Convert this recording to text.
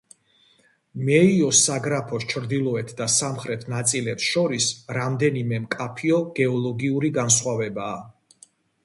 მეიოს საგრაფოს ჩრდილოეთ და სამხრეთ ნაწილებს შორის რამდენიმე მკაფიო გეოლოგიური განსხვავებაა.